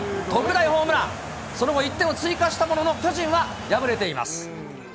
特大ホームラン、その後、１点を追加したものの、巨人は敗れています。